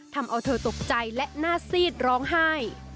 ทำเอาเธอตกใจและหน้าซีดร้องไห้